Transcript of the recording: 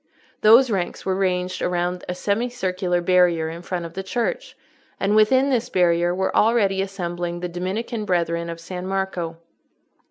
Those ranks were ranged around a semicircular barrier in front of the church, and within this barrier were already assembling the Dominican Brethren of San Marco.